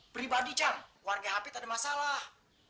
pribadi cang warga hp tak ada masalah